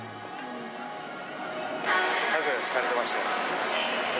ハグされてましたよ。